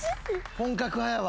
本格派やわ。